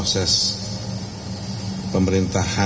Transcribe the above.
untuk melakukan sinkronisasi dengan kementerian kementerian